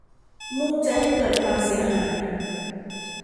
มุ่งจะให้เกิดความเสียหาย